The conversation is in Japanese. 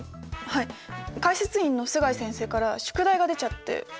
はい解説委員の須貝先生から宿題が出ちゃって。